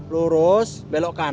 lurus belok kanan